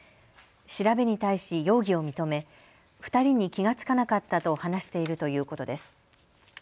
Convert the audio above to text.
調べに対し容疑を認め２人に気が付かなかったと話しているということです。